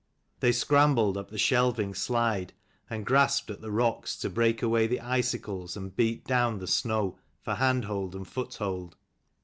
They scrambled up the shelving slide, and grasped at the rocks to break away the icicles and beat down the snow, for hand hold and foot hold.